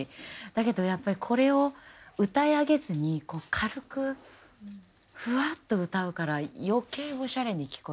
だけどやっぱりこれを歌い上げずにこう軽くフワッと歌うから余計おしゃれに聞こえて。